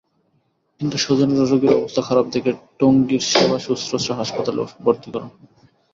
কিন্তু স্বজনেরা রোগীর অবস্থা খারাপ দেখে টঙ্গীর সেবা শুশ্রূষা হাসপাতালে ভর্তি করান।